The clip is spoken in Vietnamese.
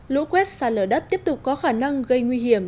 lũ quét xa lở đất tiếp tục có khả năng gây nguy hiểm